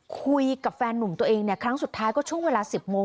คุยกับแฟนนุ่มตัวเองเนี่ยครั้งสุดท้ายก็ช่วงเวลา๑๐โมง